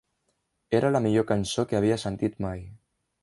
Era la millor cançó que havia sentit mai.